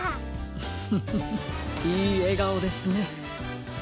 フフフフいいえがおですね。